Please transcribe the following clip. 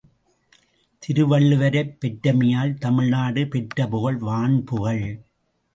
திருவள்ளுவரைப் பெற்றமையால் தமிழ்நாடு பெற்றபுகழ் வான்புகழ்.